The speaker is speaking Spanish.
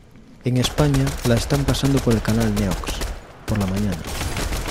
En España la están pasando por el canal Neox, por la mañana.